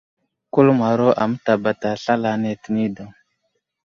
Kuləmaro a mətabata slal ane tə nay daw.